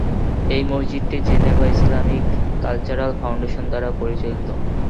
এই মসজিদটি Geneva Islamic cultural foundation দ্বারা পরিচালিত।